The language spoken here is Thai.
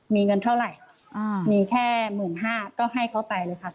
มีเงินเท่าไหร่มีแค่๑๕๐๐๐บาทก็ให้เขาไปเลยครับ